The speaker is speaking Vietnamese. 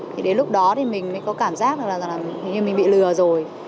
thì đến lúc đó thì mình mới có cảm giác là mình bị lừa rồi